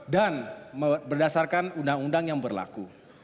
dan berdasarkan undang undang yang berlaku